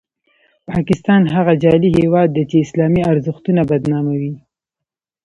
پاکستان هغه جعلي هیواد دی چې اسلامي ارزښتونه بدناموي.